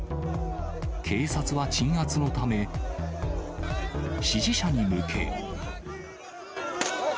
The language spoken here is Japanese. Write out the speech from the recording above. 警察は鎮圧のため、支持者に向け。